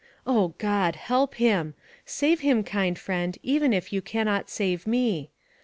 O, God ! help him ! Save him, kind friend, even if you can not save me.